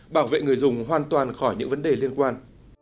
bảo vệ người dùng hoàn toàn khỏi những vấn đề liên quan